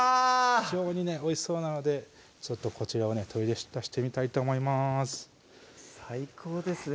非常にねおいしそうなのでちょっとこちらをね取り出してみたいと思います